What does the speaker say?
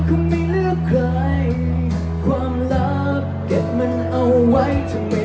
ขอมือหน่อยครับเกี่ยวกันเถอะเลย